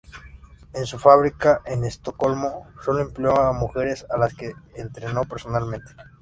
En su fábrica en Estocolmo sólo empleó a mujeres, a las que entrenó personalmente.